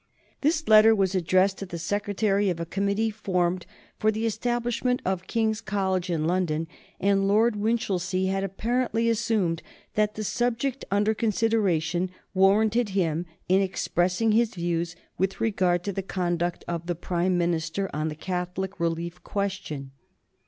This letter was addressed to the secretary of a committee formed for the establishment of King's College in London, and Lord Winchilsea had apparently assumed that the subject under consideration warranted him in expressing his views with regard to the conduct of the Prime Minister on the Catholic relief question.